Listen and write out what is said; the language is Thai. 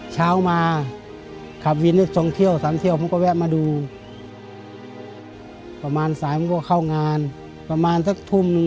เช้ามาขับวินได้สองเที่ยวสามเที่ยวผมก็แวะมาดูประมาณสายมันก็เข้างานประมาณสักทุ่มหนึ่ง